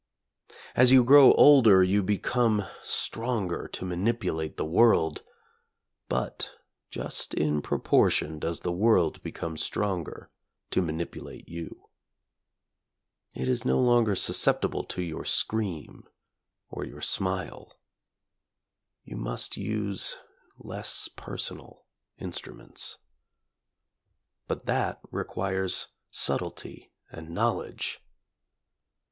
As you grow older you become stronger to manipulate the world. But just in proportion does the world become stronger to manipulate you. It is no longer susceptible to your scream or your smile. You must use less personal instruments. But that requires subtlety and knowledge.